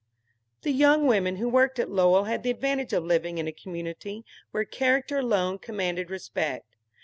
The young women who worked at Lowell had the advantage of living in a community where character alone commanded respect.